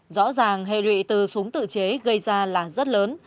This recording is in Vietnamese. rõ ràng hệ lụy từ súng tự chế gây ra là rất lớn